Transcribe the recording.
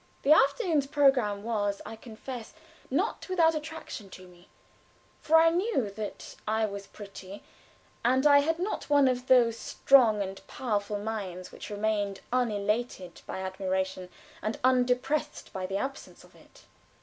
The afternoon's programme was, I confess, not without attraction to me; for I knew that I was pretty, and I had not one of the strong and powerful minds which remained unelated by admiration and undepressed by the absence of it.